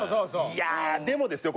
いやでもですよ